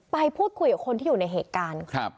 ไปพูดคุยกับคนที่อยู่ในเหตุการณ์ครับ